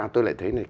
tôi lại thấy này